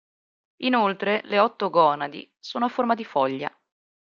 Inoltre le otto gonadi sono a forma di foglia.